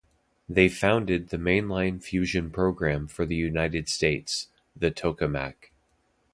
They founded the mainline fusion program for the United States: the Tokamak.